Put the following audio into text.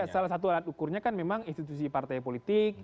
salah satu alat ukurnya kan memang institusi partai politik